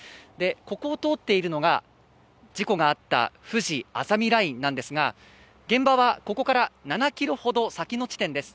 ここを通っているのが事故があった、ふじあざみラインなんですが、現場はここから７ｋｍほど先の地点です。